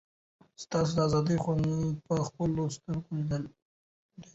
تاسو د آزادۍ خوند په خپلو سترګو لیدلی دی.